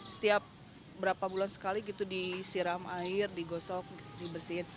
setiap berapa bulan sekali gitu disiram air digosok dibersihin